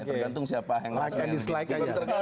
tergantung siapa yang like and dislike